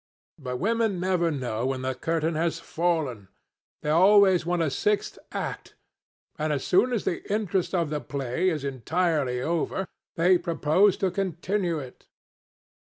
But women never know when the curtain has fallen. They always want a sixth act, and as soon as the interest of the play is entirely over, they propose to continue it.